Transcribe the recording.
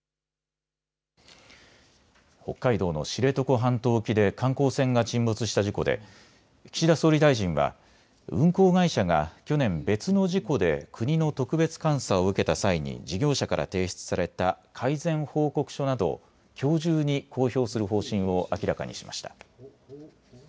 北海道の知床半島沖で観光船が沈没した事故で岸田総理大臣は運航会社が去年、別の事故で国の特別監査を受けた際に事業者から提出された改善報告書などをきょう中に公表する方針を明らかにしました。